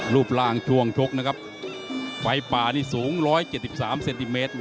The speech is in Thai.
รูปร่างช่วงชกนะครับไฟป่านี่สูง๑๗๓เซนติเมตร